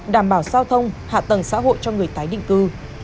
đảm bảo giao thông hạ tầng xã hội cho người tái định cư